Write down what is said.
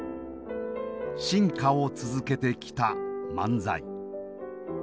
進化を続けてきた漫才。